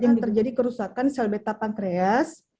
yang terjadi kerusakan sel beta pankreas